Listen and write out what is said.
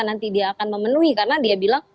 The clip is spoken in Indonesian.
nanti dia akan memenuhi karena dia bilang